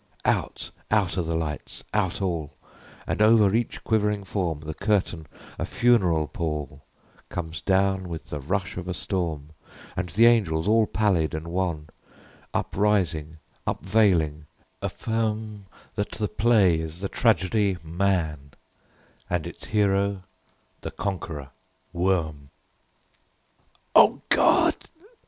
Out out are the lights out all: And over each quivering form, The curtain, a funeral pall, Comes down with the rush of a storm And the angels, all pallid and wan, Uprising, unveiling, affirm That the play is the tragedy, "Man," And its hero, the conqueror Worm. "O God!"